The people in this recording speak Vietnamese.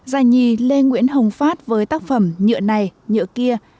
già nhì lê nguyễn hồng phát với tác phẩm nhựa này nhựa kia